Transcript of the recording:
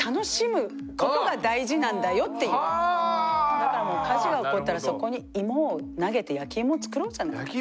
だからもう火事が起こったらそこにイモを投げて焼きイモを作ろうじゃないかっていう。